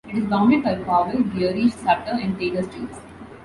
It is bounded by Powell, Geary, Sutter, and Taylor Streets.